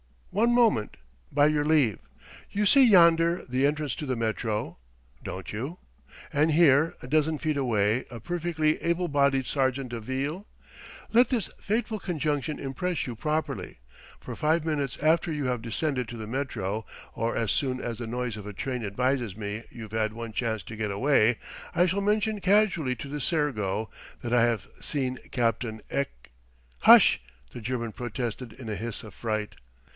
"One moment, by your leave. You see yonder the entrance to the Metro don't you? And here, a dozen feet away, a perfectly able bodied sergent de ville? Let this fateful conjunction impress you properly: for five minutes after you have descended to the Métro or as soon as the noise of a train advises me you've had one chance to get away I shall mention casually to the sergo that I have seen Captain Ek " "Hush!" the German protested in a hiss of fright.